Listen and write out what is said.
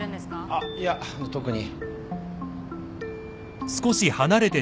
あっいや特に。